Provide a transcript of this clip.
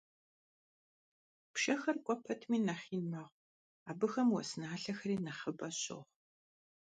Пшэхэр кӀуэ пэтми нэхъ ин мэхъу, абыхэм уэс налъэхэри нэхъыбэ щохъу.